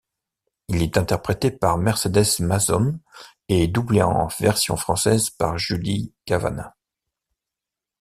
Il est interprété par Mercedes Masohn et doublé en version française par Julie Cavanna.